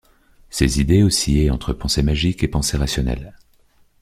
Ses idées oscillaient entre pensée magique et pensée rationnelle.